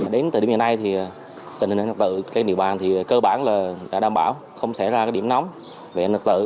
đến từ điểm hiện nay thì tình hình an ninh trật tự trên địa bàn thì cơ bản là đã đảm bảo không xảy ra điểm nóng về an ninh trật tự